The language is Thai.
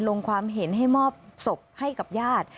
ลงความเห็นให้มอบศพให้กับญาติ